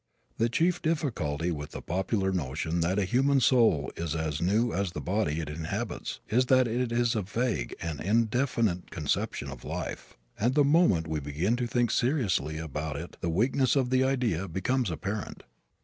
The chief difficulty with the popular notion that a human soul is as new as the body it inhabits is that it is a vague and indefinite conception of life, and the moment we begin to think seriously about it the weakness of the idea becomes apparent.